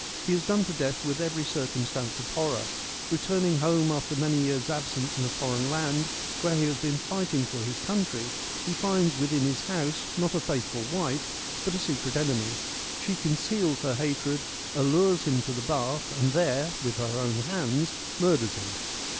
He is done to death with every circumstance of horror ; returning home after many years' absence in a foreign land, where he has been fighting for his country, he finds within his house not a faithful wife, but a secret enemy ; she conceals her hatred, allures him to the bath, and there, with her own hands, murders him.